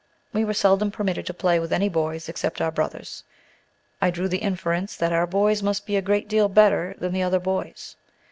We were seldom permitted to play with any boys except our brothers. I drew the inference that our boys must be a great deal better than "the other boys."